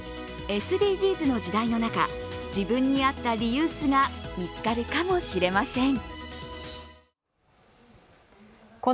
ＳＤＧｓの時代の中、自分に合ったリユースが見つかるかも知れません。